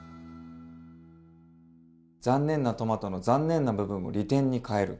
残念なトマトの残念な部分を利点に変える。